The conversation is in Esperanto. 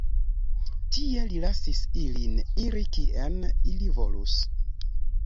Tie li lasis ilin iri kien ili volus.